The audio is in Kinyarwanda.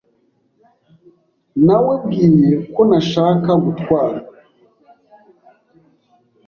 Nawebwiye ko ntashaka gutwara.